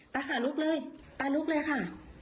ไปค่ะลุกเลยไปลุกเลยค่ะ